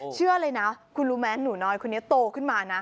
เชื่อเลยนะคุณรู้ไหมหนูน้อยคนนี้โตขึ้นมานะ